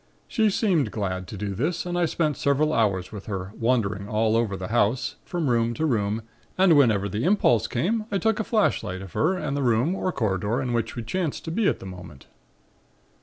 She seemed glad to do this and I spent several hours with her, wandering all over the house, from room to room and whenever the impulse came I took a flashlight of her and the room or corridor in which we chanced to be at the moment.